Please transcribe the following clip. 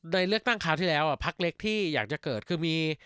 โดยเลือกตั้งคราวที่แล้วพักเล็กที่อยากจะเกิดคือมี